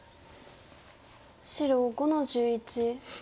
白５の十一。